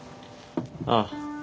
ああ。